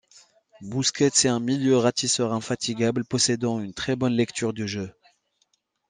Busquets est un milieu ratisseur infatigable, possédant une très bonne lecture de jeu.